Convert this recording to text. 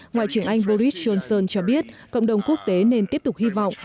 ngoại trưởng anh boris johnson cho biết cộng đồng quốc tế nên tiếp tục hy vọng